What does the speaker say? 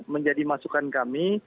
menjadi masukan kami